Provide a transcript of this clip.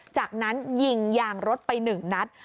จากนั้นยิงยางรถไป๑นัด